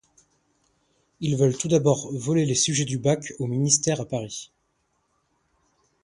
Ils veulent tout d'abord voler les sujets du bac au ministère à Paris.